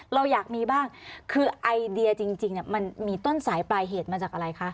เราอยากมีบ้างคือไอเดียจริงมันมีต้นสายปลายเหตุมาจากอะไรคะ